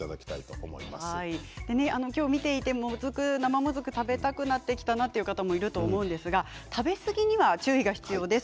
きょう見ていて生もずく食べたくなってきたなという方もいると思うんですが食べ過ぎには注意が必要です。